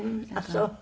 あっそう。